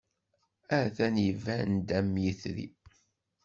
Atan iban-d am yetri.